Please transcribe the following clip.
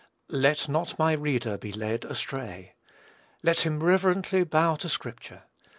Let not my reader be led astray. Let him reverently bow to Scripture.